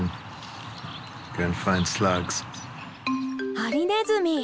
ハリネズミ！